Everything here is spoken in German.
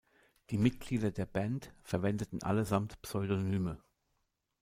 Die Mitglieder der Band verwendeten allesamt Pseudonyme.